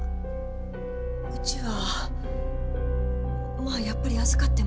うちはまあやっぱり預かっても。